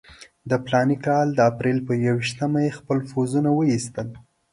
د فلاني کال د اپرېل پر یوویشتمه یې خپل پوځونه وایستل.